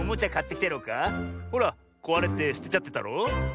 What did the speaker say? ほらこわれてすてちゃってたろ。